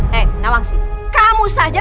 hei nawangsi kamu saja